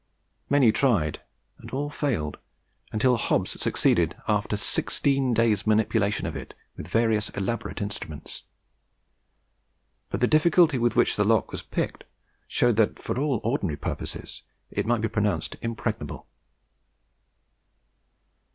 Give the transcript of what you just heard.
Many tried, and all failed, until Hobbs succeeded, after sixteen days' manipulation of it with various elaborate instruments. But the difficulty with which the lock was picked showed that, for all ordinary purposes, it might be pronounced impregnable.